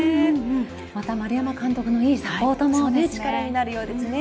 また丸山監督のいいサポートも力になるようですね。